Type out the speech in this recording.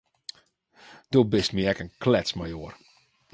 Do bist my ek in kletsmajoar.